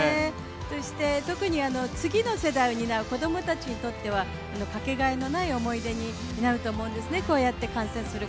そして、特に次の世代を担う子供たちにとってはかけがえのない思い出になると思うんですね。